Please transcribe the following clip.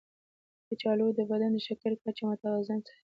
کچالو د بدن د شکرې کچه متوازنه ساتي.